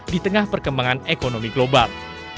di tengah perkembangan ekonomi global